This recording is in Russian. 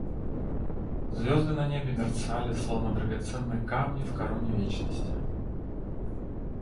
Звезды на небе мерцали, словно драгоценные камни в короне вечности.